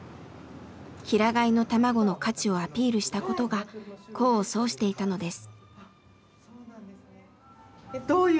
平飼いの卵の価値をアピールしたことが功を奏していたのです。